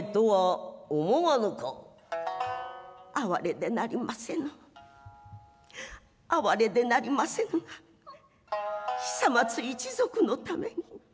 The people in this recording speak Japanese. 「哀れでなりませぬ哀れでなりませぬが久松一族の為に」。